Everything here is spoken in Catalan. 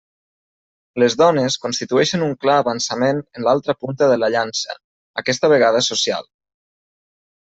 Les dones constitueixen un clar avançament en l'altra punta de la llança, aquesta vegada social.